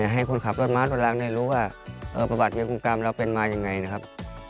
ให้คนขับรถม้าคนรังได้รู้ว่าประวัติเมียคุณกรรมเราเป็นมายังไงนะครับ